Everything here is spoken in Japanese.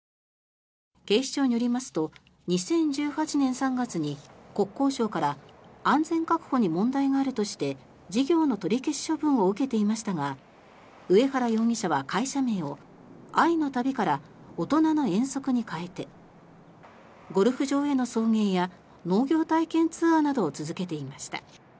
警視庁によりますと２０１８年３月に国交省から安全確保に問題があるとして事業の取り消し処分を受けていましたが上原容疑者は会社名を愛の旅からおとなの遠足に変えてゴルフ場への送迎や農業体験ツアーなどを続けていました。